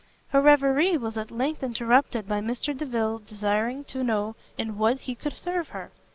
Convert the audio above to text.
Her reverie was at length interrupted by Mr Delvile's desiring to know in what he could serve her.